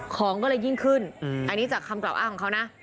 ของก็เลยยิ่งขึ้นอันนี้จากคำกล่าวอ้างของเขานะ